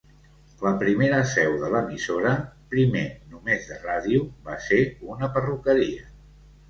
La primera seu de l'emissora, primer només de ràdio, va ser una perruqueria.